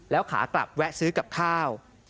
แล้วขากลับแวะซื้อกับข้าว